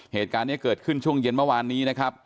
เหตุการณ์นี้เกิดขึ้นช่วงเย็นเมื่อวานนี้นะครับ